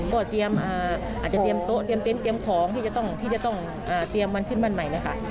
ก็อาจจะเตรียมโต๊ะเตรียมเต้นเตรียมของที่จะต้องเตรียมมันขึ้นบ้านใหม่เลยค่ะ